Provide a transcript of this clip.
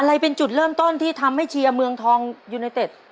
อะไรเป็นจุดเริ่มต้นที่ทำให้เชียร์เมืองทองยูไนเต็ด